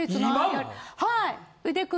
はい。